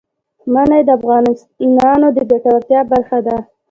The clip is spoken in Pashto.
منی د افغانانو د ګټورتیا برخه ده.